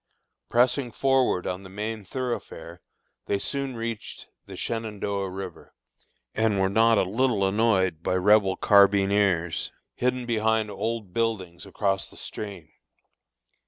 Pressing forward on the main thoroughfare, they soon reached the Shenandoah river, and were not a little annoyed by Rebel carbineers, hidden behind old buildings across the stream.